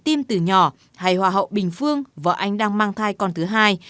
tim từ nhỏ hay hòa hậu bình phương vợ anh đang mang thai con thứ hai